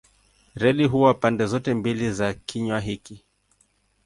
Reli huwa pande zote mbili za kinywa hiki.